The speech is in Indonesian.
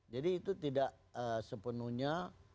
jadi itu tidak sepenuhnya